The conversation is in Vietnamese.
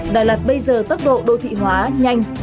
đà lạt bây giờ tốc độ đô thị hóa nhanh